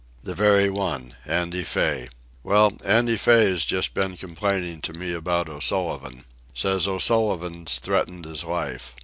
"The very one—Andy Fay. Well, Andy Fay's just been complaining to me about O'Sullivan. Says O'Sullivan's threatened his life.